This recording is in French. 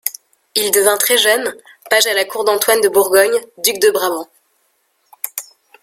Il devint très jeune, page à la cour d'Antoine de Bourgogne, duc de Brabant.